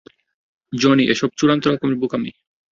Johnny, এসব চূড়ান্ত রকমের বোকামি।